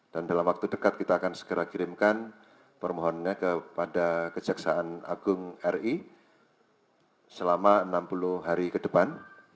dan dalam waktu dekat kita akan segera kirimkan permohonannya kepada kejaksaan agung ri selama enam puluh hari ke depan